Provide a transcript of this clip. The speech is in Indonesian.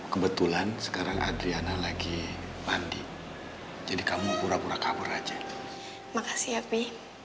kebetulan sekarang adriana lagi mandi jadi kamu pura pura kabur aja makasih happy